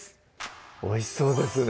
おいしそうですね